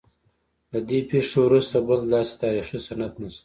له دې پیښې وروسته بل داسې تاریخي سند نشته.